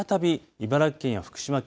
茨城県や福島県